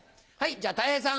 じゃあたい平さん。